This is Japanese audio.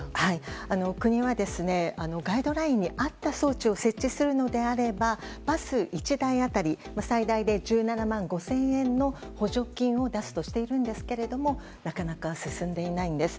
国は、ガイドラインに合った装置を設置するのであればバス１台当たり最大で１７万５０００円の補助金を出すとしているんですがなかなか進んでいないんです。